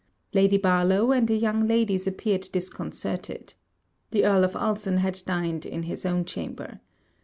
Lady Barlowe and the young ladies appeared disconcerted. The Earl of Ulson had dined in his own chamber.